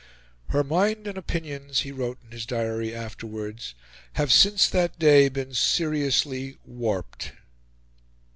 "Her mind and opinions," he wrote in his diary afterwards, "have since that day been seriously warped."